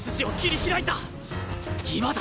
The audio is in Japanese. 今だ！